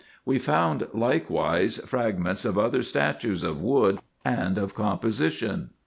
We found likewise fragments of other statues of wood and of composition.